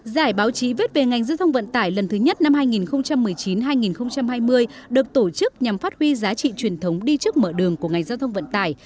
giải báo chí viết về ngành giao thông vận tải lần thứ nhất năm hai nghìn một mươi chín hai nghìn hai mươi được tổ chức nhằm phát huy giá trị truyền thống đi trước mở đường của ngành giao thông vận tải